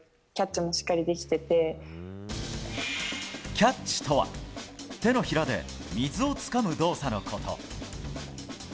キャッチとは、手のひらで水をつかむ動作のこと。